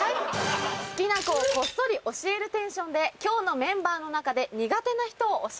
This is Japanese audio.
「好きな子をこっそり教えるテンションで今日のメンバーの中で苦手な人を教えてください」。